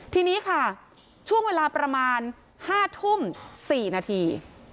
ทีนี้ค่ะช่วงเวลาประมาณ๕ทุ่ม๔นาที